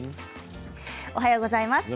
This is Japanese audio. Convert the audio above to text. おはようございます。